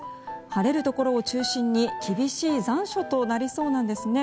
晴れるところを中心に厳しい残暑となりそうなんですね。